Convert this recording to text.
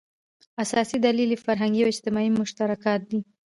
اساسي دلیل یې فرهنګي او اجتماعي مشترکات دي.